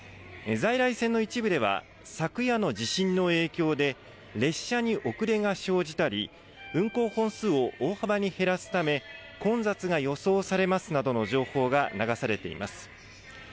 在来線の一部では昨夜の地震の影響で列車に遅れが生じたり運行本数を大幅に減らすため混雑が予想されますなどの情報が流されています。